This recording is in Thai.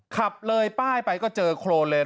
ขับเลยป้ายไปก็เจอโครนเลน